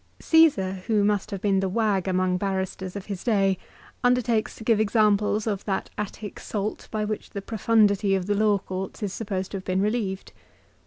Caesar, who must have been the wag among barristers of his day, undertakes to give examples of that Attic salt by which the profundity of the Law Courts is supposed to have been relieved.